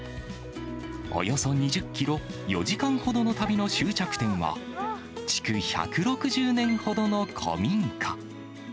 およそ２０キロ、４時間ほどの旅の終着点は、築１６０年ほどの古民家。